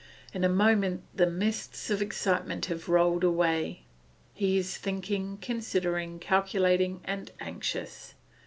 In a moment the mists of excitement have rolled away. He is thinking, considering, calculating, and anxious.